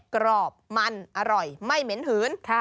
กรอบมันอร่อยไม่เหม็นหืน